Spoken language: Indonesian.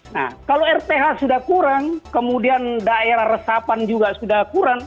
nah kalau rth sudah kurang kemudian daerah resapan juga sudah kurang